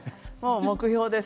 目標です。